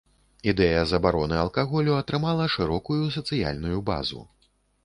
Ідэя забароны алкаголю атрымала шырокую сацыяльную базу.